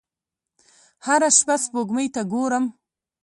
هره شپه سپوږمۍ ته ګورم